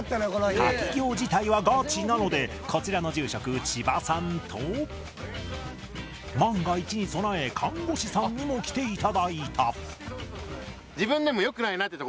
滝行自体はガチなのでこちらの住職千葉さんと万が一に備え看護師さんにも来ていただいた